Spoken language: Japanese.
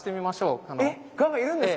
蛾がいるんですか？